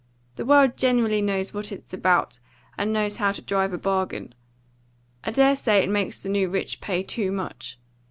The world generally knows what it's about, and knows how to drive a bargain. I dare say it makes the new rich pay too much.